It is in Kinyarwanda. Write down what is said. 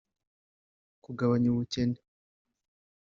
kugabanya ubukene